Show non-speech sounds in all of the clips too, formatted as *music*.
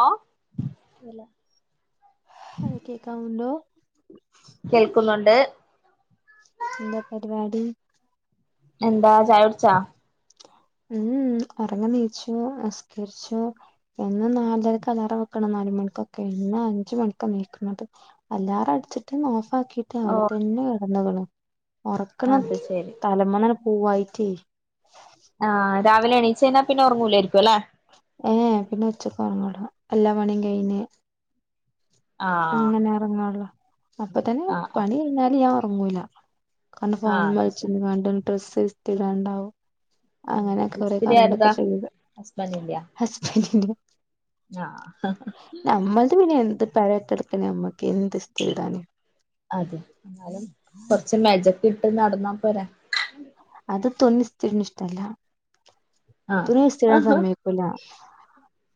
ഓ കേക്കാവുണ്ടോ *unintelligible* എന്താ പരിവാടി എന്താ ചായുട്ച്ച ഉം ഓർങ്ങി നീച്ചു നിസ്കരിച്ചു എന്നും നാലരക്ക് അലാറം വെക്കണം നാല മണിക്കൊക്കെ ഇന്നഞ്ച് മണിക്ക നീക്ക് ണത് അല്ലാറ അടിച്ചിട്ട് ഓഫ് ഫാക്കീട്ട ഓ വടെ തന്നെ കെടന്ന്ക്ക്ണ് ഒറക്കണം അത് ശരി തലമന്നങ്ങ് പോവായിട്ടേ ആ രാവിലെ എണീ ഏ പിന്നെ ഉച്ചക്കൊറ്ങ്ങൂല എല്ലാ പണി കയ്ഞ്ഞ് ആ അങ്ങനെ ഓർങ്ങള്ളൂ അപ്പൊ തന്നെ ആ ആ പണി കഴിഞ്ഞാല് ഞാ ഓ ങ്ങൂല കണ്ണ് ആ ഫോണ് അത് ശരി മെകൾച്ച്ങ്ങാണ്ട് ഡ്രസ്സ് ഇസ്തിരി ടാണ്ടാവും അങ്ങനെ കൊറെ മിസ്തിരി കാര്യങ്ങളൊക്കെ ആരതാ ചെയ്ത് ഹസ്ബൻഡ് ഇല്ല്യ ഹസ്ബൻഡിന്റെ ആ നമ്മൾ ത് പിന്നെ എന്ത് പയേ അയ്ന് അമ്മക്കെന്ത് ഇസ്തിരി ടാനാ അതെ എന്നാലും കൊറച്ച് മജക്കെട്ട് നടന്നാ പോരാ ത്തൊന്നു സ്തിരി ട്ണ ഇഷ്ടല്ല ആ തുണി ഇസ്തിരിടാൻ ആ സമ്മയ്ക്കൂല ഉ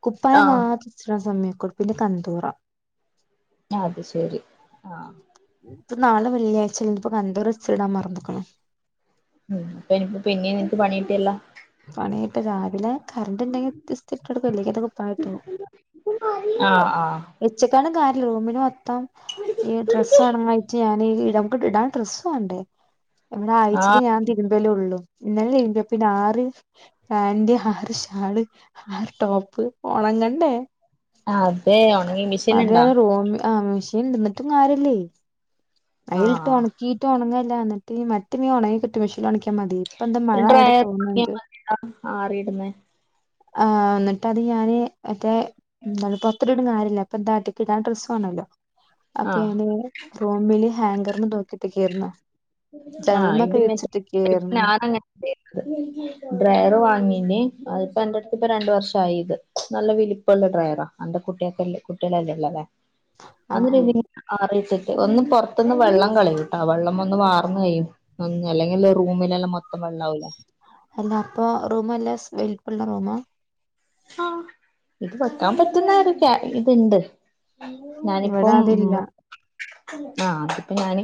കുപ്പായ മാത്ര സ്തിരിടാ സമ്മയ് കുപ്പിൻ്റെ കന്തൂറ അത് ശെരി ആ ഇപ്പ നാളെ വെള്ളിയാഴ്ച ല്ലേ ഇപ്പ കന്തൂറഇസ് തിരിടാൻ മർന്ന്ക്ക്ണ് ഉം പ്പ നിക്ക് പിന്നിം നിനക്ക് പണികിട്ടിയല്ലോ പണി കിട്ടി രാവിലെ കരൻ്റിണ്ടങ്കി ഇസ്‌തിരിട്ടൊട്ക്കും അല്ലങ്കി അത് കുപ്പായട്ടോളും ആ ആ വെച്ച്ക്കാണ്ട് കാര്യല്ല റൂമിൽ മോ ത്തം ഈ ഡ്രസ്സ് ഉണങ്ങായിറ്റ്‌ ഞ ന് നമ്മക്ക് ഇടാൻ ഡ്രസ്സ്‌ വാണ്ടേ ഇവിടെ ആ ആയ്ച്ചേല് ഞാൻ തിര്മ്പലോള്ളൂ ഇന്നലെ തിര്മ്പിയപ്പോ പിന്നെ ആറ് പാന്റ് ആറ് ഷാള് ആറ് ടോപ്പ് ഒണങ്ങണ്ടേ അതെ ഉണങ്ങി മിഷീൻ അതെ ഇണ്ടാ റൂമി ആ മ് മിഷീന്ണ്ട് ഇന്നേട്ടും കാര്യല്ലേ ആ അയലിട്ട് ആ ഒണക്കീട്ട് ഒണങ്ങ ഇല്ല എന്നിട്ട് മറ്റമേ ഒണങ്ങികിട്ടും മെഷീന്ല് ഒണക്കിയമതി ഒരു ഡ്രൈ ആറിടുന്നെ ആ ന്ന്ട്ട് അത് ഞാന് മറ്റേ എന്താണ്പ്പോ പൊറത്ത്ട്ട്ട്ടും കാര്യല്ല ഇപ്പന്താ അട്ടികിടാൻ ഡ്രസ്സ്‌ വാണല്ലോ അപ്പ ആഹ് ഞാന് റൂമിൽ ഹാങ്കറ്മ്മേ തൂക്കിയിട്ട്ക്കേര്ന്നു ആഹ് ഇത് *unintelligible* ഡ്രയറ് വാങ്ങി ഇനി അത്പ്പോ അന്റെട്ത്ത് ഇപ്പൊ രണ്ട് വർഷായിത് നല്ല വലിപ്പള്ള ഡ്രൈറാ അന്റെ കുട്ട്യാക്ക് കുട്ടിളല്ലേള്ളത് ആ അന്ന് ആ *unintelligible* ഒന്ന് പൊറത്ത്ന്ന് വെള്ളം കളയും ട്ടോ വെള്ളം ഒന്ന് വാ റ്ന്നയ്യും അല്ലെങ്കിൽ റൂമിലെല്ലാം മൊ അല്ല അപ്പൊ റൂമല്ലാ സ് വേല് പ്പള്ളറൂമാ ആ ഇത് വെക്കാൻ പറ്റ്ന്നൊര് ഗ്യാ ഇത്ണ്ട് ഇവിടെ ഞാനിപ്പം അതില്ല മു ആ അതിപ്പോ ഞാന്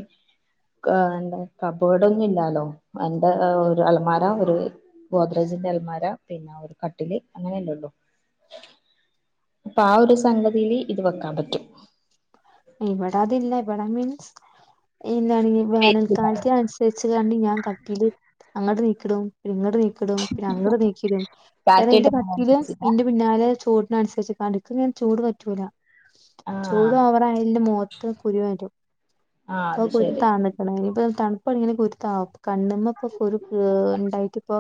ക എന്താ കബേർഡൊന്നും ഇല്ലാലോ എന്റെ ഒര് അലമാര ഒരു ഗോദ്രേജിന്റെ അലമാര പിന്നെ ഒരു കട്ടില് അങ്ങനെയല്ലോ അപ്പൊ ആ ഒരു സംഗതില് ഇത് വെക്കാൻ പറ്റും ഇവടെ അതില്ല ഇവടെ മീൻസ് എന്താണി വേനൽക്കാലത്തിനനുസരിച്ച്ക്കാണ്ട് ഞാൻ കട്ടില് അങ്ങട്ട് നീക്കിടും പിന്നെ ഇങ്ങട്ട് നീക്കിടും പിന്നെ അങ്ങട്ട് നീക്കിടും കാരണം കാറ്റായിട്ട് ഇന്റെ കട്ടില് ഇന്റെ പിന്നാലെ ചോ അനുസരിച് അനക്ക് ചോർ പറ്റൂല ആഹ് ചൂട് ഓവറായി എന്റെ മോത്ത് കുരു വരും ആഹ് ഇപ്പം അത് കുരു ശരി താന്ന്ക്ക്ണ് ഇപ്പ ഇപ്പം തണ്പ്പാണെങ്കില് കുരു താവും കണ്ണ്മ്മ ഇപ്പം കുരു ഏ ഇണ്ടായിട്ടുപ്പോ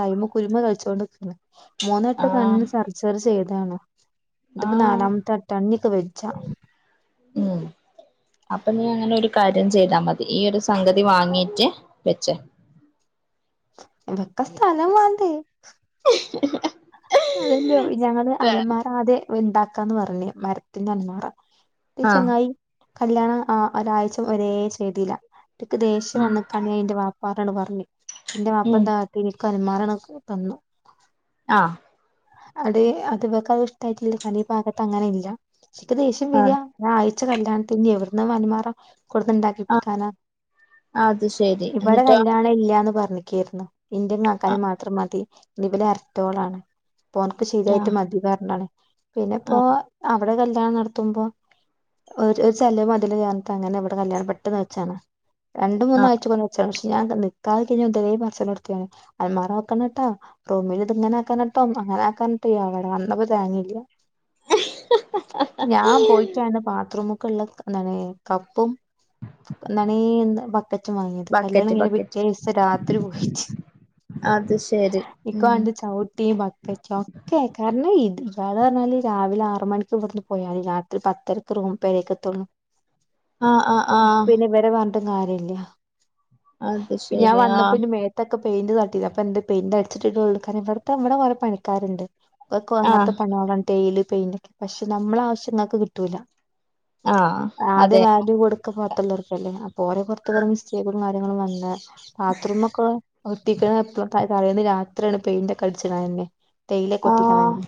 കൈമ കുരുമൽ കളിച്ചോണ്ട്ക്ക മൂന്നെട്ടം ആഹ് കണ്ണ് സർജറി ചെയ്ത് അതാണോ ഇതുപ്പം ആഹ് നാലാമ്ത്തട്ട ഇഞ്ഞ്പ്പം വജ്ജ ഉം അപ്പഞ്ഞ് അങ്ങനെ ഒരു കാര്യം ചെയ്താമതി ഈ ഒരു സ് സംഗതി വാങ്ങീട്ട് വെച്ചോ വെക്കം സ്ഥലം മതി *unintelligible* *unintelligible* അതെന്തെയോ ഞങ്ങള് അല്മാറാ ആദ്യേ ഇണ്ടാക്കാന്ന് പറഞ്ഞ് മരത്തിന്റെ അൽമാറ ഈ ആഹ് ചങ്ങായി കല്യാണം ആ ഒരാഴ്ച ഒരേ ചെയ്തീല്ല ഇന്ക് ദേഷ്യം വന്നക്കാണ്യേ ഇന്റെ വാപ്പാ താണ്ട് പറഞ്ഞ് ഇന്റെ ഉം വാപ്പന്താക്കിയെ അല്മാറ ആണ് തന്നു ആഹ അത് അത് ഇവക്ക് അഹ് ഇഷ്ട്ടായിട്ടില്ല്യ അത് ഈ ഭാഗത്ത് അങ്ങനെ ഇല്ല ഇന്ക് ദേഷ്യം ആഹ് വരാ ഞാ കല്യാണത്ത്ന്റയോ എവിട്ന്നാ അല്മാറ ആഹ് കൊടുത്ത്ണ്ടാക്കിപ്പിക്കാന അത് ശരി ഇവിടെ എന്നിട്ടോ കല്യാണല്ലാന്ന് പറഞ്ഞു കുളിക്ക്യാരുന്നു ഇന്റിം ആഹ് കാക്കാന്റിം മാത്രം മതി ഇവല് അർതോളാണ് അപ്പോ ഓൻക്ക് ശീലയിട്ട് ആഹ് മതി പറഞ്ഞാണ് പിന്നെ ഇപ്പോ അവിടെ കല് കല്ല്യാ നടത്തുമ്പോ ഒരു ചെലവ് മതിലെ ഞാൻ അങ്ങനെ ഇവിടെ കല്ല്യാണം പെട്ടെന്ന് വെച്ചാണ് രണ്ട് മൂന്ന് ആഹ് ആഴ്ച പറഞ്ഞ് വെച്ചാണ് ഞാൻ ത നിക്കാഹ് കഴിഞ്ഞ ഇതരേ പറച്ചിലോടുത്തിയാണ് അലമാറ ആക്കണട്ടോ റൂമിൽ ഇത് ഇങ്ങനെ ആക്കണ ട്ടോ അങ്ങനെ ആക്കന്ട്ടോ എവടെ വന്നപ്പോ ഒരു തേങ്ങീല്ല്യാ ഞാൻ പോയിട്ടാണ് ബാത്ത്റൂമ് ക്ക്ള്ള എന്താണ് കപ്പും എന്താണ് എ ബ ക്കറ്റും വാങ്ങിയത് ബക്കറ്റ് കല്യാണകഴിഞ്ഞ ബക്കറ്റ് പിറ്റേസം രാത്രി പോയിറ്റ് അത് ശരി ഇന്ക്ക് ഉം വാണ്ടിയെ ചവിട്ടി ബ ഓക്കെ കാരണം ഇത് ഇയാള്റ്ഞ്ഞാല് രാവിലെ ആറ് മണിക്ക് ഇവിടെന്ന് പോയാൽ രാത്രി പത്തരക്ക് റൂ പേരേക്കെത്തൊള്ളൂ ആ ആ ആഹ് കാര്യല്ല അത് ഞാൻ ശരി വന്നപ്പോ ആഹ് ഇൻ്റെ മേത്തെക്കെ പെയിൻ്റ് തട്ടി അപ്പ എന്ത് പെയിൻ്റ് അടിച്ചിട്ടുള്ളക്കാരം ഇവിടുത്തെ ഇവിടെ വഴ പണിക്കാരുണ്ട് ഒ കൊങ്ങത്തെ ആഹ് പണിയോളാ ടെയില് പിന്നക്ക് പക്ഷെ നമ്മളാവശ്യങ്ങക്ക് കിട്ടൂല ആഹ് അദ്യ അതെ വാല്യൂ കൊടുക്കുംപ അ കലർക്കല്ലേ പോര പൊർത്ത് *unintelligible* ങ്ങിലും വന്നാ ബാത്റൂം ഒക്കെ ഒട്ടിക്ക തലേന്ന് രാ എത്രാണ് പെയിന്റക്കെ അടിച്ചേന് ആയേനെ തേയില ആഹ് കൊത്തിക്കണെ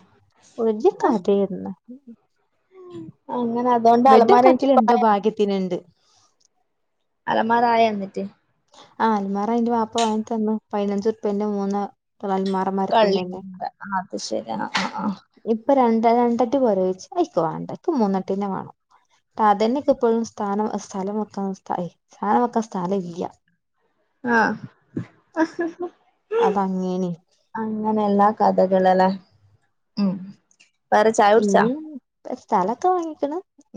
ഒരു കഥയില്ല അങ്ങനെ അതുകൊണ്ട് ബെഡും അലമാര കട്ടിലും എന്തോ എനിക്കിപ്പായ ഭാഗ്യത്തിനുണ്ട് അലമാര ആയ എന്നിട്ട് ആ അൽമാറ അന്റെ വാപ്പ വാങ്ങി തന്ന് പതിനഞ്ചറുപ്പേന്റെ മൂന്ന് ൽമാറ കള്ളി മരത്തിൻ്റെല്ലേ അത് ശരി ആഹ് ആഹ് ആഹ് ഇപ്പൊ രണ് രണ്ടട്ടി പോരേച്ച് അയിക്ക് വേണ്ട ക്ക് മൂന്നട്ടീന്നെ വേണം സാധനൊക്കെ ഇപ്പോഴും സ്ഥാനം സ്ഥലം വക്ക സ്ഥ സാനം വെക്കൻ സ്ഥലം ഇല്ല ആഹ് അത് അങ്ങനെയ അങ്ങനെ എല്ലാ കഥകളലെ ഉം പറ ചായകുടിച്ചാ ഇനി സ്ഥലൊക്കെ വാങ്ങിക്കണ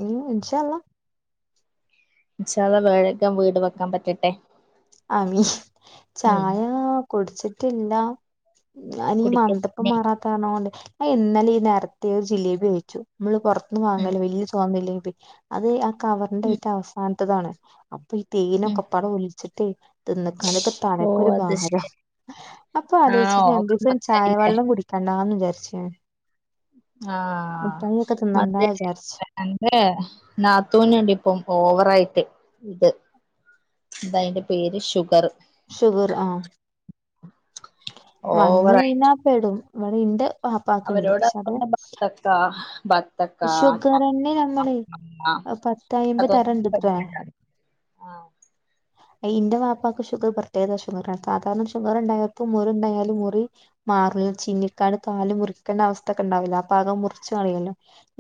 ഉം ഇഷാഅള്ള ചില വേഴഗം വീട് വെക്കാൻ പറ്റട്ടെ ആമീൻ ഉം ചായ കുടിച്ചി പില്ല അനി കുടിക്ക മന്തപ്പ മറാത്തകാരാണോണ്ട് എന്നാല ഈ നേരത്തെ ഒരു ജിലേബി കഴിച്ചു നമ്മള് പുറ ന്ന് ഉം വാങ്ങല്ലേ വല്യ സോന്നല്ലേ *unintelligible* അതെ ആ കവറിന്റെ ഉം ഏറ്റവും അവസാനത്തതാണ് ആ *unintelligible* ഉം തേനൊക്ക പറ ഒളിച്ചി *unintelligible* തിന്നക്കാണ്ട്ക്കെ ഓ തലക്കൊരു അത് ഭാരം ശരി അപ്പൊ ആഹ് ഓക്ക് അത്ച്ചട്ട് എ ചായ വെള്ളം കുടിക്കാണ്ടാന്ന് വിചാരിച്ചു അ ആ തിന്നണ്ടാ മറ്റേ വിചാരിച്ചു എന്റെ നാത്തൂനിണ്ടിപ്പം ഓവറായിട്ട് ഇത് എന്താ അതിന്റെ പേര് ഷുഗർ ഷുഗർ ആ വന്ന് ഓവറായിട്ട് കഴിഞ്ഞാ പെടും ഇവിടെ ഇന്റെ വാപ്പാക്ക്ണ്ട് അവരോട് പക്ഷെ അത് *unintelligible* ബത്തക്ക ബത് ത്തക്ക ഷുഗറന്നെ ചക്ക നമ്മള് മാങ്ങ പത്തയ്മ്പത് അതൊന്നും തരംണ്ട്ത്രേ കഴിക്കണ്ടാന്ന് ആ അ ഇന്റെ വാപ് പ്പാക്ക് ഷുഗർ പ്രത്യേക പ്രത്യേകത ഷുഗർ സാധാരണ ഷുഗർ ഉണ്ടായപ്പോ മുറി ഉണ്ടായാലും മുറി മാറില്ല ചിന്നിക്കാട് കാല് മുറിക്കേണ്ട അവസ്ഥ ഒക്കെ ഉണ്ടാവില്ല അപ്പ ആകെ മുറിച്ച് കളയല്ലോ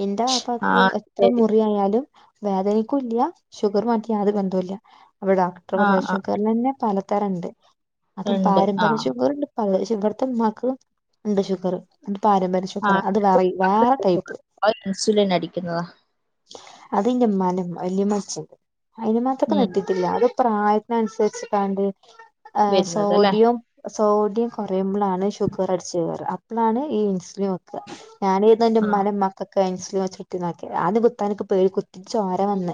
എന്റെ ആ വാപ്പാക്ക് എത്ര ശരി മുറിയായാലും വേദനക്കും ഇല്ല ഷുഗർ മാക്കി യാതൊരു ബന്ധോ ഇല്ല അവിടെ ഡോക്ടർ ആ പറയാ ആ ഷുഗർലന്നെ പല ത്തരണ്ട് അതും ഉണ്ട് ആ പാരമ്പര്യ ഷുഗറ്ണ്ട് പ ഇവിടുത്തെ ഉമ്മാക്ക് ഉണ്ട് ഷുഗർ പാരമ്പര്യ ആ ഷുഗറാ അത് വേ വേറെ ടൈപ്പ് ഇൻസുലിൻ അടിക്കുന്നതാ അതിന്റെ ഉമ്മാന്റെ ഉമ്മ വല്യമച്ചണ്ട് അയിനുമാത്തൊക്കെ ഉം നിത്തിത്തില്ല അതു പ്രായത്തിന അനുസരിച്ചിട്ടാണ്ട് ആ വരുന്നത് അല്ലേ സോഡിയും സോഡിയം കുറയുമ്പോളാണ് ഷുഗർ അടിച്ച് കേറുവ അപ്പോളാണ് ഈ ഈൻസ് സുലിൻ വെക്ക ഞാൻ ഇത് എന്റെ ആ ഉമ്മാന്റെ ഉമ്മാ ക്കിൻസുലിൻ വെച്ച് കൊടുക്കുന്നതൊക്കെ ആദ്യം കുത്താൻക്ക് പേടി കുത്തി ചോര വന്ന്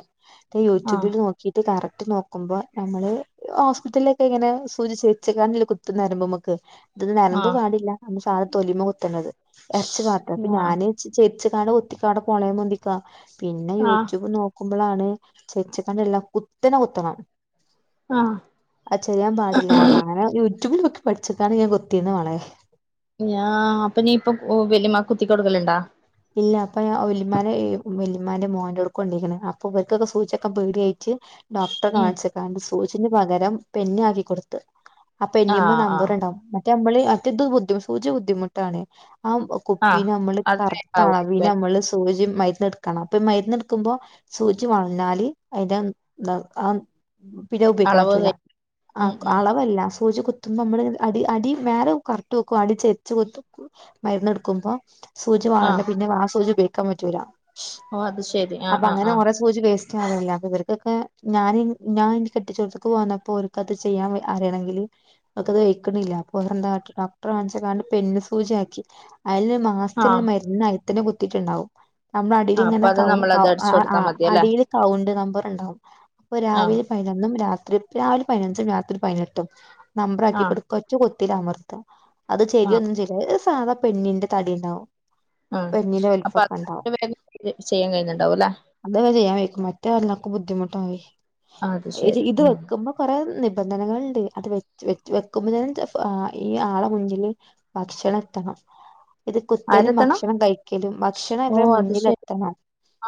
ഞാ ആ യൂട്യൂബിൽ നോക്കീട്ട് കറ റ്റ് നോക്കുമ്പോ നമ്മള് ഹോസ്പിറ്റലിലൊക്കെ ഇങ്ങനെ സൂചിച്ച് വച്ചക്കാണ്ടല്ലേ കുത്ത ഞരമ്പുമ്മക്ക് ഇത് ആ നരമ്പ് പാടില്ല സ തൊലിമ കുത്തണത് ഇറച്ചി പാത്താ അപ്പൊ ആ ഞാന് ച്ചി ച്ചെ ച്ച്ക്കാണ്ട് ഒത്തിക്കാടെ പോണേ മുന്തിക്ക പിന്നെ ആ യൂട്യൂബ് നോക്ക ക്കുമ്പളാണ് ചെരിച്ച് കാണ്ട അല്ല കുത്തനെ കുത്തണം ആ അയ് ചെയ്യാൻ പാടില്ല റാ അങ്ങനെ യൂട്യൂബിൽ നോ പട്ച്ച്ക്കാണ്ട് ഞാൻ കൊത്തിന്ന് മളെ ഞാ അപ്പൊ നീ ഇപ്പൊ വലിയമ്മാക്ക് കുത്തി കൊട്ക്കൽ ഇണ്ടോ ഇല്ല അപ്പ ഞാൻ വല്ലിമാനെ വല്ലിമാന്റെ മോന്റോട്ക്ക് കൊണ്ടെയ്ക്ക്ണ് അപ്പൊ ഇവര്ക്കൊക്കെ സൂചി വെക്കാൻ പേടിയായിട്ട് ഡോക്ടറെ ഉം കാണിച്ച് കാണ്ട് സൂചിന് പകരം പെന്ന് ആക്കി കൊട്ത്ത് ആ പെന്നിമ്മേ ആഹ് നമ്പർ ആഹ് ഇണ്ടാവും റ്റെ നമ്മൾ മറ്റെത് ബുദ്ധിമു സൂചി ബുദ്ധിമുട്ടാണ് ആ ആഹ് കുപ്പിനെ നമ്മൾ കറ അതിനെ താ വിനെ ആവുമായിരിക്കും നമ്മൾ സൂചിം അയ്ന്ന് ഇ ക്കണം ഇപ്പം മര്ന്ന് ഇട്ക്കുമ്പോ സൂചി വൾഞ്ഞാല് അയിന്റെ ന്താ ആ പിന്നെ അയ് ഉപയോഗിക്കാൻ അളവ് പറ്റൂല തെറ്റി ആ ഉം ഉം അളവല്ല സൂചി കുത്തുമ്പോ അമ്മൾ അടി അടി മേലെ കററ്റ് വെക്കും അടി ചെര്ച്ച് കുത്തും മര്ന്ന് ഇട്ക്കുമ്പോ ആഹ് സൂചിമാണല്ലേ ആ സൂചി ഉപയോയിക്കാൻ പറ്റ് റ്റൂലാ ഓ അത് ശെരി ആഹ് അപ്പ ആഹ് അങ്ങനെ ആഹ് കൊറെ സൂചി വേസ് *unintelligible* അതല്ല അപ്പ ഇവർക്കൊക്കെ ഞാൻ ഞാൻ ഇന്റെ കെട്ടിച്ചോട്ത്ത്ക്ക് പോന്നപ്പോ ഒർക്ക് അത് ചെയ്യാൻ അറെണെങ്കിൽ അത് വെയ്ക്ക്ണില്ലാന്ന് അപ്പൊ ഓരെന്താ കാട്ട്ണെ ഡോക്ടറെ കാൺച്ച് കാണ്ട് പെന്ന് സൂചിയാക്കി അയിൽ മാസ്ത്തിൽ ഇള്ള ആഹ് മര്ന്ന് *unintelligible* ത്തിന് കുത്തീട്ട് ഇണ്ടാവും നമ്മൾ അടീൽ ആഹ് അപ്പൊ ഇങ്ങനെ അത് കൗ നമ്മൾ കൗ അത് ആ അടിച്ചു അ അ കൊടുത്താൽ മതിയല്ലേ അടീൽ കൗണ്ട് നമ്പർ ഇണ്ടാവും അപ്പൊ ആഹ് രാവിലെ പതിനനൊന്നും രാത് *unintelligible* രാവിലെ പതിനഞ്ചും രാത്രി പതിനെട്ടും നമ്പറാക്കി ആഹ് കൊട്ക്ക *unintelligible* തിൽ അമർത്താ അത് ചെരി ആഹ് ഒന്നും *unintelligible* സാധാ പെണ്ണിന്റെ തടി ഇണ്ടാവും ഉം ഇപ്പ എങ്ങനെയ അപ്പൊ വലിപ്പം അത് കണ്ടോ അത്ര വേഗം ചെയ്ത് ചെയ്യാൻ കഴിയുന്നുണ്ടാവും അല്ലേ തൊക്കെ ചെയ്യാം പറ്റും മറ്റെ എല്ലാക്കും ബുദ്ധിമു ട്ടായി ആഹ് അത് ഇര് ശെരി ഇത് ഉം വെക്കുമ്പോ കൊറേ നിബന്ധനകള് ഇണ്ട് അത് വെ വെക്കുമ്പത്തേനും ചലപ്പോ ആ ഇ ആളെ മുന്നില് ഭക്ഷണം എത്തണം ഇത് കുത്തലുംമ ആരെത്തണം ഭക്ഷണം കഴിക്കലും ഭക്ഷണം ഓ ഇടെ അത് ശെരി മുന്നിലെത്തണം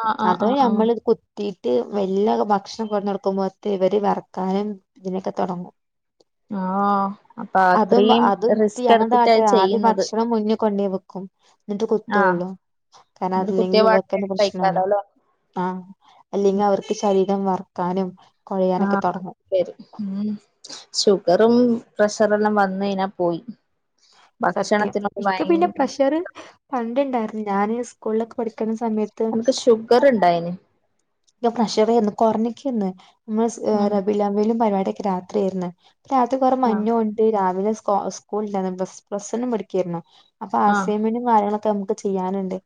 ആഹ് ആഹ് അതോ ആഹ് ആഹ് ഞമ്മൾ കൊത്തി ട്ട് വല്ല ഭക്ഷണം കൊറഞ്ഞ് കൊടുക്കുമ്പോഴത്തെ ഇവര് വറക്കാനും ഇതിനൊക്കെ തുടങ്ങും ആ അപ്പ അതും അത്രയും അതും ഇത് റിസ്ക് ഞങ്ങളുടെ എടുത്തിട്ടാ ചെയ്യുന്നത് കൊ ന്നിട്ട് ആഹ് കുത്തോള്ളും കാരണം എന്നിട്ട് അതില്ലി ഇവർക്ക് കുത്തിയപാടെ തന്നെ പ്രശ്നാണ് കഴിക്കാലോല്ലേ ആ അല്ലങ്കി അവർക്ക് ശരീരം വാർ കാനും ആഹ് വരും മം ഷുഗറും പ്രെഷറെല്ലാം വന്ന് കഴിഞ്ഞ പോയ് സത്യം ഇക്ക് പിന്നെ പ്രെഷറ് പണ്ടേ ഇണ്ടാര്ന്ന് ഞാന് കുള്ളെക്ക് പഠി ഉൻക്ക് ഷുഗ്റിണ്ടായിന് ൻ്റെ പ്രെഷറെ ഒന്ന് കൊറഞ്ഞങ്ങി ഒന്ന് മസ് ഉം റബിലവിലും പരുപാടി ഒക്കെ രാത് ത്രിയല്ലേ രാത്രി കൊറേ ആഹ് മഞ്ഞു ഒണ്ട് രാവിലെ ഹൊ അത് *unintelligible* പ്രസന്നം പഠിക്ക്യാര്ന്നോ അപ്പ ആഹ് അസൈൻമെൻ്റ് കാര്യങ്ങള ത് നമ്മക്ക് ചെയ്യാന്ണ്ട്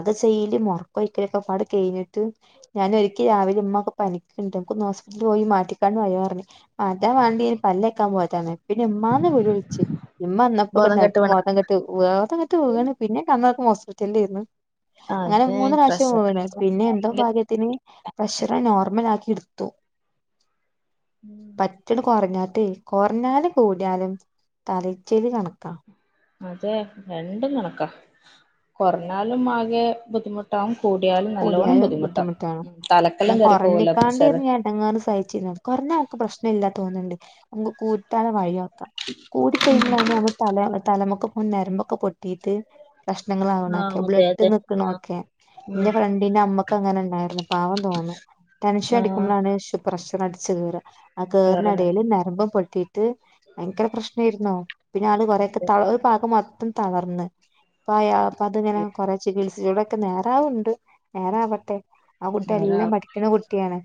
അത് ചെയ്യല് *unintelligible* കയിഞ്ഞ്ട്ട് ഞാ പിന്നെ മ്മാന്ന് വിളി വിളിച്ച് ഇമ്മ വന്നപ്പ പിന്നെ ബോധം കെട്ട് നെല്ത്ത് വീണ ബോധംകെട്ട് ബോധംകെട്ട് വീണ് പിന്നെ കണ്ണോർക്കുമ്പോ ഹോസ് അറ്റൻഡ്ചെയ്യുന്ന് അങ്ങനെ അതെ മൂന്ന് പ്രാശം പ്രഷർ വീണ് പിന്നെ എന്തോ ഭാഗ്യ പ്രഷറ് നോർമലാക്കി ടുത്തു ഉം പറ്റിണ് കൊറഞ്ഞാരു ട് കൊറഞ്ഞാലും കൂടിയാലും തലക്കൊരു കണക്ക അതെ രണ്ടും കണക്ക കുറഞ്ഞാലും ആകെ ബുദ്ധിമുട്ട കൂട്യാലും ബുദ്ധിമുട്ടാണ് തലക്കെല്ലാം ഞാൻ കേറി പോവല്ലോ കരഞ്ഞിക്കാണ്ട് പ്രഷറ് എടങ്ങേറ് സഹിച്ച് വെല്ലാ തോന്നുണ്ട് കു കൂറ്റാനം വയ്യ കൂടി ചെയ്യുമ്ലലാണെ അങ്ങ് തല തലമൊക്കൊക്കെ ഞെരമ്പ് ഒക്കെ പൊട്ടീട്ട് പ്രശ്നങ്ങൾ ആവണെ ആഹ് ഒക്കെ അതെ ബ്ലഡ് അതെ ആഹ് നിക്ക്ണൊക്കെ ഉം ന്റെ ഫ്രണ്ടിന്റെ അമ്മക്ക് അങ്ങനെ ഇണ്ടായിരുന്നു പാവം തോന്നും ടെൻഷൻ ആഹ് അടിക്കുമ്പളാണ് സ് പ്രശ് അടിച്ച് കെറാ ആ കേർ വേറെന്ന നെടെൽ ഞരമ്പ് പൊ പറ്റീട്ട് ഭയങ്കര പ്രശ്നായിരുന്നോ പിന്നെ ആള് കുറെയൊക്കെ ത ഒരു ഭാഗം മാത്രം തളർന്ന് പ അപ്പ അത്ങ്ങനെ കൊറെ ചികിത്സ *unintelligible* വോക്കെ നേരാവുംണ്ട് നേരാവട്ടെ ട്ടെ ആ കുട്ടി വേറെ എല്ലാം പഠിക്കുന്ന കുട്ടിയാണ്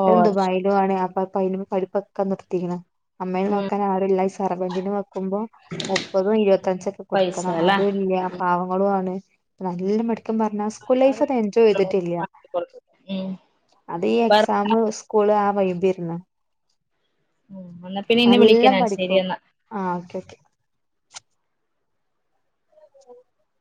ഓ അത് ശരി ദുബായിലും ആണ് അപ്പ അ അ പഠിപ്പൊക്കെ നിർത്തിക്കണം അമ്മെ ഉം നോക്കാൻ ആളില്ല *unintelligible* നിക്കുമ്പോ മുപ്പതും ഇരുപത്തഞ്ചൊക്കെ പൈസ കൊടുക്കണം അല്ലേ അതുംല്ല പാവങ്ങളും ആണ് നല്ല മടി സത്യം പർഞ്ഞ ലൈഫ് എൻജോയ് ചെയ്തിട്ടില്ല. അത് ഈ ഉം എക്സാം സ്കുൾ ഇള ആ വൈബേർന്നു ഉ എന്നാ പിന്നെ നിന്നെ വിളിക്കാ ശരി എന്നാ ആ ഓക്കെ ഓക്കെ *unintelligible*